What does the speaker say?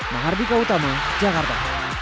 nahar bika utama jakarta